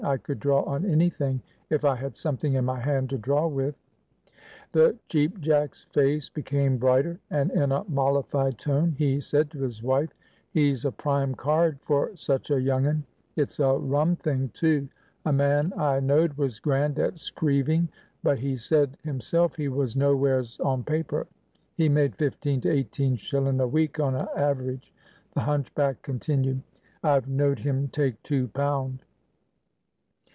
"I could draw on any thing, if I had something in my hand to draw with." The Cheap Jack's face became brighter, and in a mollified tone he said to his wife, "He's a prime card for such a young un. It's a rum thing, too! A man I knowed was grand at screeving, but he said himself he was nowheres on paper. He made fifteen to eighteen shillin' a week on a average," the hunchback continued. "I've knowed him take two pound."